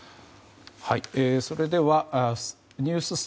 それではニュース